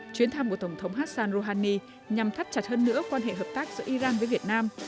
chuyến thăm của tổng thống hassan rouhani nhằm thắt chặt hơn nữa quan hệ hợp tác giữa iran với việt nam